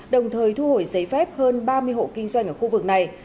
đồng thời thu hồi giấy phép hơn ba mươi hộ kinh doanh ở khu vực này